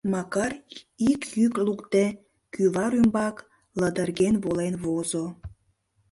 Макар, ик йӱк лукде, кӱвар ӱмбак лыдырген волен возо.